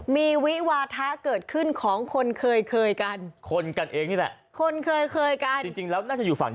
มีวิวาทะเกิดขึ้นของคนเคยเคยกัน